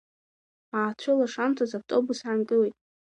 Аацәылашамҭаз автобус аангылеит.